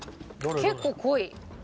結構濃い。